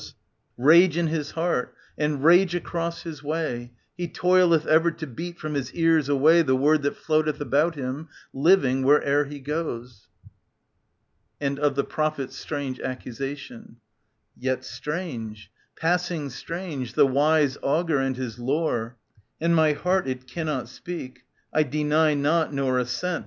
479 S11 Rage in his heart, and rage across his way, He toileth ever to beat from his cars away The word that floatcth about him, living, where'er he goes. [Jnd of the Prophet* s strange accusation. Yet strange, passing strange, the wise augur and his lore; And my heart it cannot speak; I deny not nor assent.